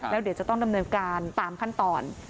แล้วเดี๋ยวจะต้องดำเนินการตามขั้นตอน